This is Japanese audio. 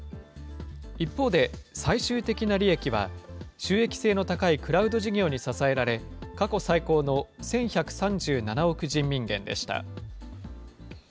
一方で最終的な利益は、収益性の高いクラウド事業に支えられ、過去最高の１１３７億人民元でした。